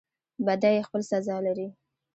بدی خپل سزا لري